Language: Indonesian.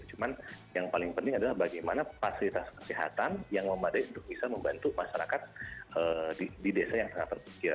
cuman yang paling penting adalah bagaimana fasilitas kesehatan yang memadai untuk bisa membantu masyarakat di desa yang sangat terpikir